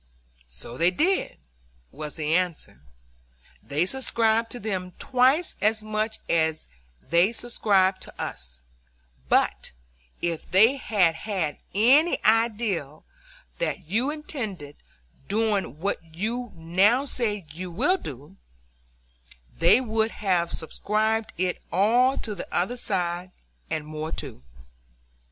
"So they did," was the answer; "they subscribed to them twice as much as they subscribed to us, but if they had had any idea that you intended doing what you now say you will do, they would have subscribed it all to the other side, and more too."